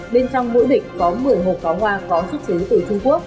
bên trong mỗi bịch có một mươi hộp pháo hoa có xuất xứ từ trung quốc